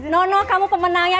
nono kamu pemenangnya